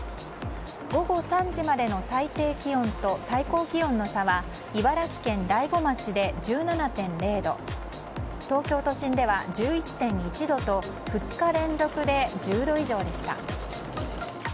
午後３時までの最低気温と最高気温の差は茨城県大子町で１７．０度東京都心では１１．１度と２日連続で１０度以上でした。